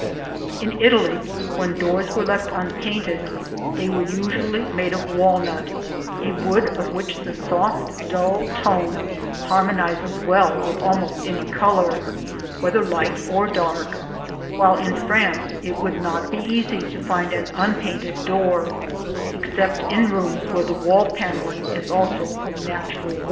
In Italy, when doors were left unpainted they were usually made of walnut, a wood of which the soft, dull tone harmonizes well with almost any color, whether light or dark; while in France it would not be easy to find an unpainted door, except in rooms where the wall panelling is also of natural wood.